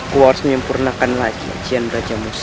aku harus menyempurnakan lagi ajian raja musti